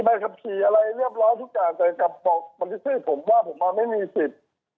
แต่กลับบอกบริเศษผมว่าผมมาไม่มีสิทธิ์